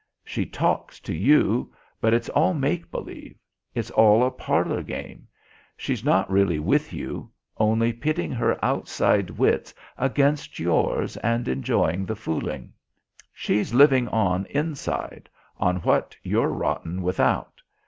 She talks to you; but it's all make believe. It's all a 'parlour game.' She's not really with you; only pitting her outside wits against yours and enjoying the fooling. She's living on inside, on what you're rotten without.